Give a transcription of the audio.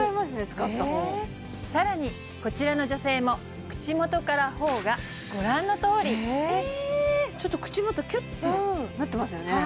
使った方更にこちらの女性も口元から頬がご覧のとおりちょっと口元きゅってなってますよね